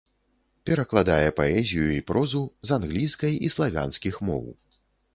Перакладае паэзію і прозу з англійскай і славянскіх моў.